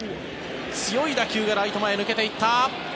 強い打球がライト前、抜けていった！